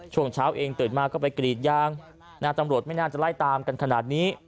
ช่วงเช้าเองตื่นมาก็ไปกรีดยางตำรวจไม่น่าจะไล่ตามกันขนาดนี้